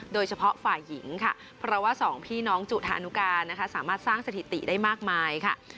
โดยเฉพาะฝ่ายหญิงค่ะเพราะว่าสองพี่น้องจุธานุการนะคะสามารถสร้างสถิติได้มากมายค่ะ